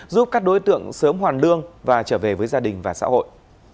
giúp các đối tượng sớm hoàn lương và trở về với gia đình và xã hội